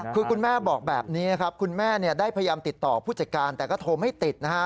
คือคุณแม่บอกแบบนี้นะครับคุณแม่ได้พยายามติดต่อผู้จัดการแต่ก็โทรไม่ติดนะฮะ